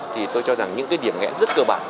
tôi cho rằng những điểm nghẽn rất cơ bản